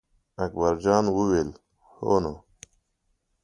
اکبر جان وویل: هو نو.